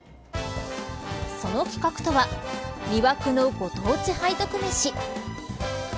その企画とは魅惑のご当地背徳めし。